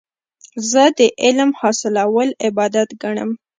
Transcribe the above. زه د علم حاصلول عبادت ګڼم.